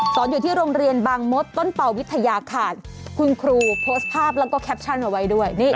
อยู่ที่โรงเรียนบางมดต้นเป่าวิทยาคารคุณครูโพสต์ภาพแล้วก็แคปชั่นเอาไว้ด้วย